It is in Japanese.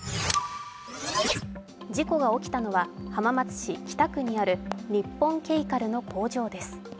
事故が起きたのは浜松市北区にある日本ケイカルの工場です。